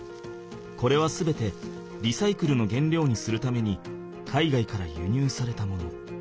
これは全てリサイクルの原料にするために海外からゆにゅうされたもの。